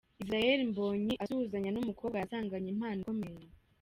Israel Mbonyi asuhuzanya n'umukobwa yasanganye impano ikomeye.